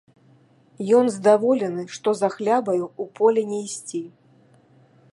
Ён здаволены, што за хлябаю ў поле не ісці.